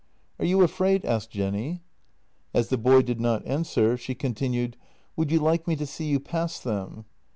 "Are you afraid?" asked Jenny. As the boy did not an swer, she continued: "Would you like me to see you past them?